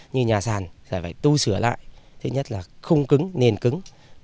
như nhà sàn phải tu sửa lại thứ nhất là không cứng nền cứng